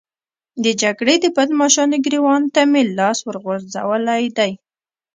د جګړې د بدماشانو ګرېوان ته مې لاس ورغځولی دی.